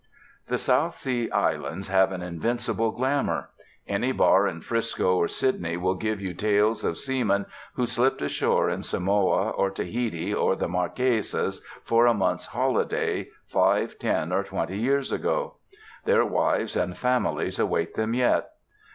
The South Sea Islands have an invincible glamour. Any bar in 'Frisco or Sydney will give you tales of seamen who slipped ashore in Samoa or Tahiti or the Marquesas for a month's holiday, five, ten, or twenty years ago. Their wives and families await them yet.